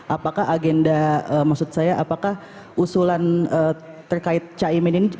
apakah agenda maksud saya apakah usulan terkait caimin ini